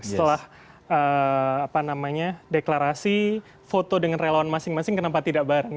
setelah deklarasi foto dengan relawan masing masing kenapa tidak bareng